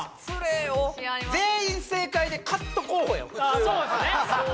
全員が正解でカット候補や普通はそうですね